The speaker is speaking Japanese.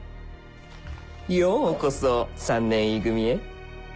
ようこそ３年Ｅ組へ